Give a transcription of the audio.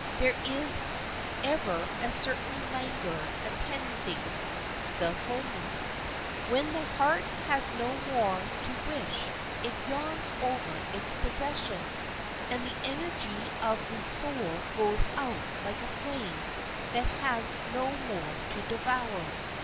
There is ever a certain languor attending the fullness. When the heart has no more to wish, it yawns over its possession, and the energy of the soul goes out like a flame that has no more to devour.